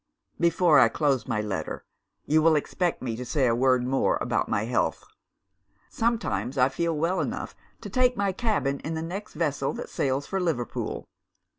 "Before I close my letter, you will expect me to say a word more about my health. Sometimes I feel well enough to take my cabin in the next vessel that sails for Liverpool.